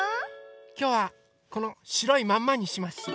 きょうはこのしろいまんまにします！